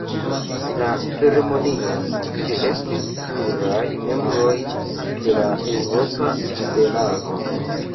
La ceremonion ĉeestis pluraj membroj de la eŭropa nobelaro.